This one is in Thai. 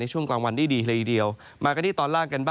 ในแต่ละพื้นที่เดี๋ยวเราไปดูกันนะครับ